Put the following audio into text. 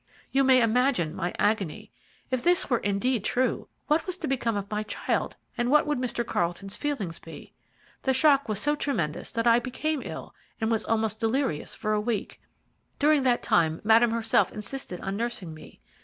"You may imagine my agony. If this were indeed true, what was to become of my child, and what would Mr. Carlton's feelings be? The shock was so tremendous that I became ill, and was almost delirious for a week. During that time Madame herself insisted on nursing me.